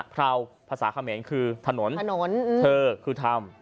พราวภาษาเขมรคือถนนเทอร์คือธรรม